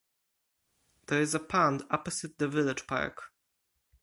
There is a pond opposite the village park.